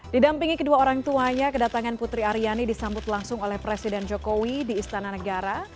didampingi kedua orang tuanya kedatangan putri aryani disambut langsung oleh presiden jokowi di istana negara